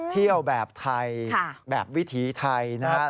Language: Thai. เที่ยวแบบไทยแบบวิถีไทยนะครับ